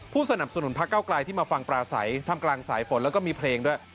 สนับสนุนพระเก้าไกลที่มาฟังปลาใสทำกลางสายฝนแล้วก็มีเพลงด้วย